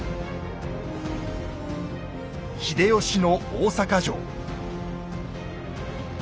秀吉の大坂城。